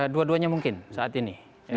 dua duanya mungkin saat ini